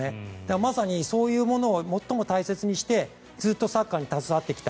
まさにそういうものを最も大切にしてずっとサッカーに携わってきた。